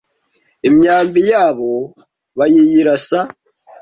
Imyambi yabo bayiyirasa